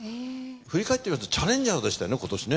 振り返ってみますとチャレンジャーでしたよね今年ね。